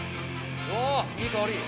おいい香り。